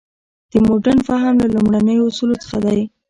د مډرن فهم له لومړنیو اصولو څخه دی.